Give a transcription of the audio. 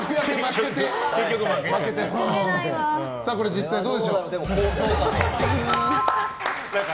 実際にどうでしょうか？